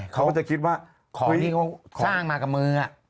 เขาก็จะคิดว่าของที่เขาสร้างมากับมือ